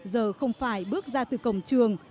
giờ không phải bước ra từ cổng trường